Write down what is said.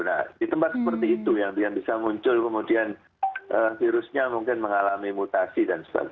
nah di tempat seperti itu yang bisa muncul kemudian virusnya mungkin mengalami mutasi dan sebagainya